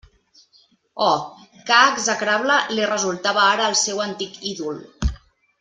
Oh, que execrable li resultava ara el seu antic ídol!